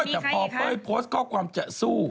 แต่พอเป้ยโพสต์ข้อความจะสู้